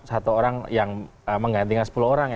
satu orang yang menggantikan sepuluh orang